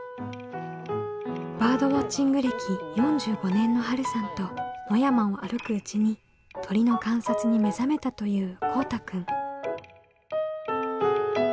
バードウォッチング歴４５年のはるさんと野山を歩くうちに鳥の観察に目覚めたというこうたくん。